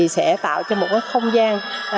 sẽ tạo ra một không gian